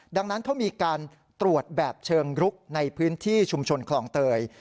ดังนั้นเขามีการตรวจแบบเชิงรุกในพื้นที่ชุมชนคลองเตย